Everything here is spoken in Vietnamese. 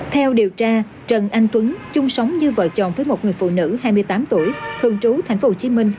theo điều tra trần anh tuấn chung sống như vợ chồng với một người phụ nữ hai mươi tám tuổi thường trú tp hcm